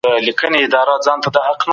د ارغنداب نوم له سرسبزۍ سره تړلی دی.